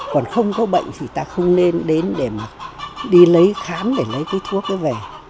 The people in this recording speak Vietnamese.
còn không có bệnh thì ta không nên đến để mà đi lấy khám để lấy thuốc về